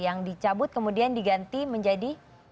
yang dicabut kemudian diganti menjadi